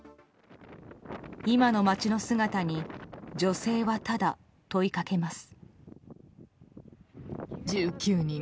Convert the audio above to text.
今の街の姿に女性は、ただ問いかけます。